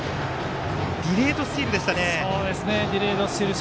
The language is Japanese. ディレードスチールでした。